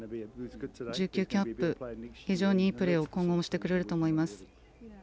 キャップ非常にいいプレーを今後もしてくれると思います。